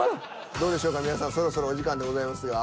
どうでしょうか皆さんそろそろお時間でございますが。